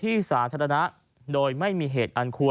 พวกพาอาวุธไปในเมืองหมู่บ้านหรือทางสาธารณะโดยไม่มีเหตุอันควร